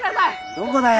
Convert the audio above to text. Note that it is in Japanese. どこだよ？